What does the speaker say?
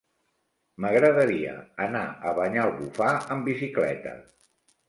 M'agradaria anar a Banyalbufar amb bicicleta.